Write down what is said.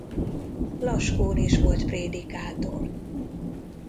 Laskón is volt prédikátor.